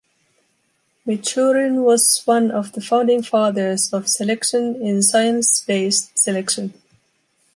Michurin was one of the founding fathers of selection in science-based selection.